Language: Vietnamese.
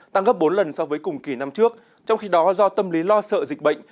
tăng gấp bốn lần so với cùng kỳ năm trước trong khi đó do tâm lý lo sợ dịch bệnh